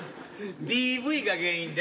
ＤＶが原因で。